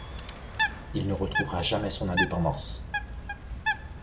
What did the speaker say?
Il ne retrouvera jamais son indépendance.